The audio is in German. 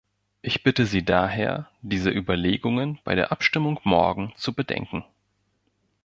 Ich bitte Sie daher, diese Überlegungen bei der Abstimmung morgen zu bedenken.